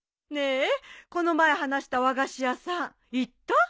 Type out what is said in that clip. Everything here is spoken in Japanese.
ねえこの前話した和菓子屋さん行った？